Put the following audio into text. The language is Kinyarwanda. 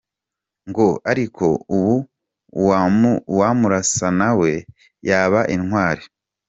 Ngo« ariko ubu uwamurasa na we yaba intwali ».